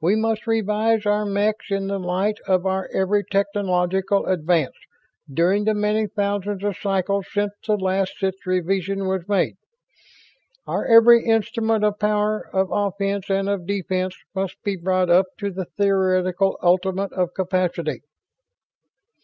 We must revise our mechs in the light of our every technological advance during the many thousands of cycles since the last such revision was made. Our every instrument of power, of offense and of defense, must be brought up to the theoretical ultimate of capability."